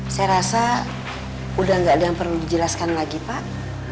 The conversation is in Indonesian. saya rasa sudah tidak ada yang perlu dijelaskan lagi pak